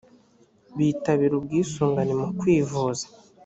bitabira ubwisungane mu kwivuza